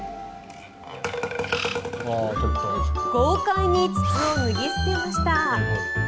豪快に筒を脱ぎ捨てました。